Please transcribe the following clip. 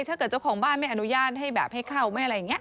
เจ้าของบ้านไม่อนุญาตให้แบบให้เข้าไม่อะไรอย่างนี้